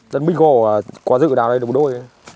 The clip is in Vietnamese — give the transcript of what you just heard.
rắn bình gồ quá dự đào đây đủ đôi